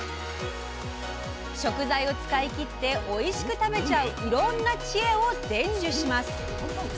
食材を使い切っておいしく食べちゃういろんな知恵を伝授します。